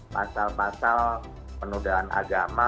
pasal pasal penundaan agama